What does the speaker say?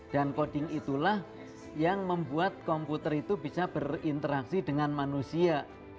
dan coding itulah yang membuat komputer itu bisa berinteraksi dengan manusia